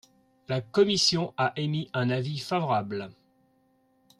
La commission a émis un avis favorable.